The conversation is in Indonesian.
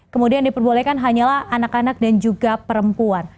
kemudian diperbolehkan hanyalah anak anak dan juga perempuan